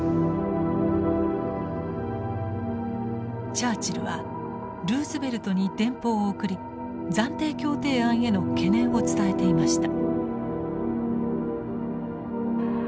チャーチルはルーズベルトに電報を送り暫定協定案への懸念を伝えていました。